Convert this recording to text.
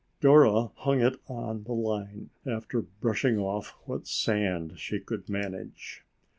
Dora hung it on the line, after brushing off what sand she could manage.